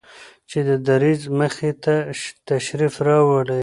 چې د دريځ مخې ته تشریف راوړي